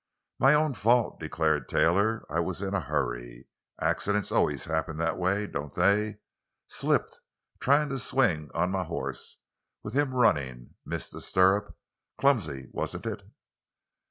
"My own fault," declared Taylor. "I was in a hurry. Accidents always happen that way, don't they? Slipped trying to swing on my horse, with him running. Missed the stirrup. Clumsy, wasn't it?"